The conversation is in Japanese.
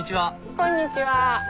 こんにちは。